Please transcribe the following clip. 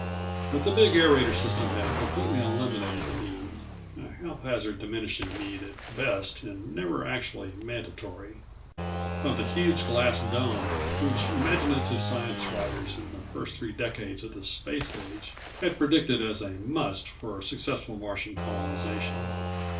But the big aerator system had completely eliminated the need a health hazard diminishing need at best and never actually mandatory of the huge glass dome which imaginative science writers in the first three decades of the Space Age had predicted as a must for successful Martian colonization.